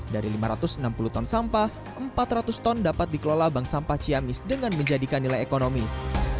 dari lima ratus enam puluh ton sampah empat ratus ton dapat dikelola bank sampah ciamis dengan menjadikan nilai ekonomis